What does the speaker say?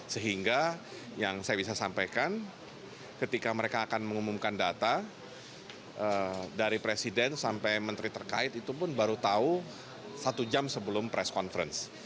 sehingga yang saya bisa sampaikan ketika mereka akan mengumumkan data dari presiden sampai menteri terkait itu pun baru tahu satu jam sebelum press conference